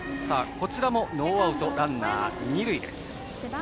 こちらもノーアウトランナー、二塁。